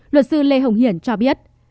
luật sư lê hồng hiển cho biết